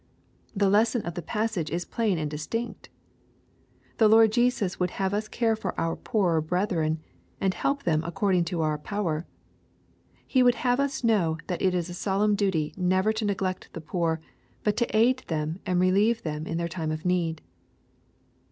The lesson of the passage is plain and dis tinct. The Lord Jesus would have us care for our poorer brethren, and help them according to our power. He would have us know that it is a solemn duty never to neglect the poor, but to aid them and relieve them in their time of need.